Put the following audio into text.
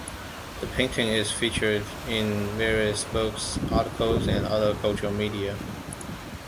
The painting is featured in various books, articles, and other cultural media.